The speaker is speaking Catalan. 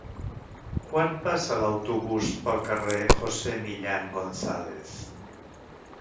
Quan passa l'autobús pel carrer José Millán González?